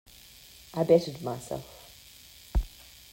I bettered myself.